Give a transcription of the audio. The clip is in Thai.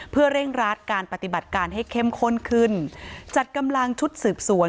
เพื่อเร่งรัดการปฏิบัติการให้เข้มข้นขึ้นจัดกำลังชุดสืบสวน